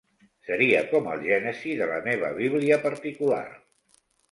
Seria com el Gènesi de la meva bíblia particular.